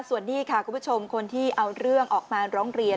ส่วนนี้ค่ะคุณผู้ชมคนที่เอาเรื่องออกมาร้องเรียน